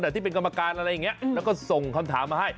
แต่ที่เป็นกรรมการอะไรอย่างนี้แล้วก็ส่งคำถามมาให้